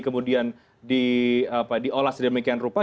kemudian diolah sedemikian rupa